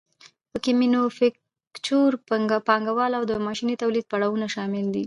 پکې مینوفکچور پانګوالي او د ماشیني تولید پړاوونه شامل دي